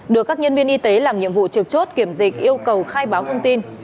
được các nhân viên y tế làm nhiệm vụ trực chốt kiểm dịch yêu cầu khai báo thông tin